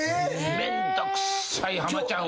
めんどくさい「浜ちゃんは？」